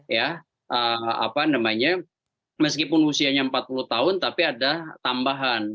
ya apa namanya meskipun usianya empat puluh tahun tapi ada tambahan